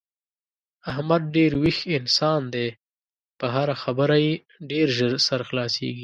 احمد ډېر ویښ انسان دی په هره خبره یې ډېر زر سر خلاصېږي.